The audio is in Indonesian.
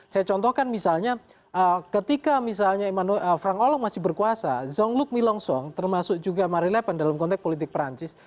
saya contohkan misalnya ketika misalnya frank hollande masih berkuasa jean luc milonchon termasuk juga marie le pen dalam konteks politik perancis